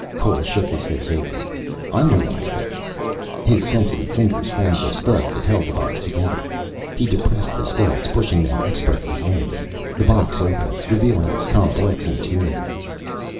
Cole shook his head vaguely. "I'm reliable." His sensitive fingers found the studs that held the box together. He depressed the studs, pushing them expertly in. The box opened, revealing its complex interior.